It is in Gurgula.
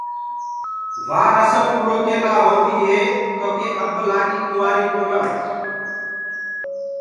وآ رسم اُرو ڪي لاهونديٚ هي تو ڪي اب لآڏي ڪنوآرئ ڪونآ۔